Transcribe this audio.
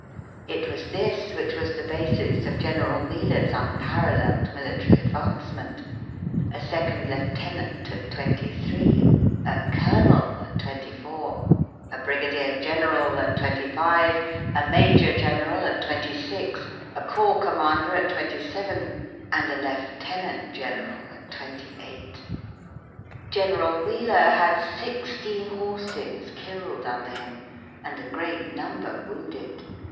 It was this which was the basis of General Wheeler's unparalleled military advancement: a second lieutenant at twenty three, a colonel at twenty four, a brigadier general at twenty five, a major general at twenty six, a corps commander at twenty seven, and a lieutenant general at twenty eight. General Wheeler had sixteen horses killed under him, and a great number wounded.